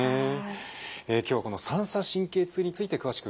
今日はこの三叉神経痛について詳しく伺っていきます。